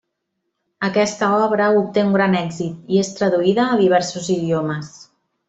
Aquesta obra obté un gran èxit i és traduïda a diversos idiomes.